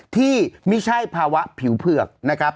ที่ไม่ใช่ภาวะผิวเผือกนะครับ